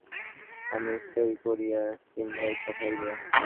আমি সই করিয়া সিমলায় পাঠাইব।